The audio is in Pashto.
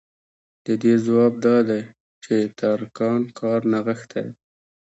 د دې ځواب دا دی چې د ترکاڼ کار نغښتی